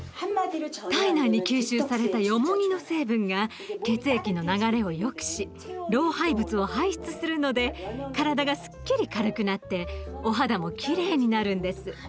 体内に吸収されたよもぎの成分が血液の流れを良くし老廃物を排出するので体がすっきり軽くなってお肌もきれいになるんです。